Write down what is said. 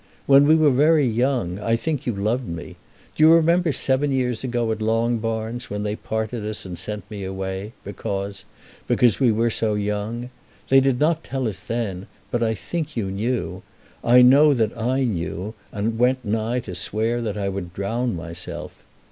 When we were very young I think you loved me. Do you remember seven years ago at Longbarns, when they parted us and sent me away, because because we were so young? They did not tell us then, but I think you knew. I know that I knew, and went nigh to swear that I would drown myself.